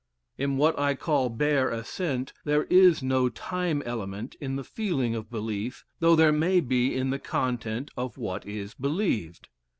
In what I call bare assent, there is no time element in the feeling of belief, though there may be in the content of what is believed.